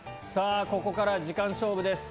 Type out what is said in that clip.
ここから時間勝負です。